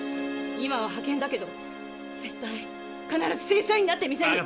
今は派けんだけど絶対必ず正社員になってみせる。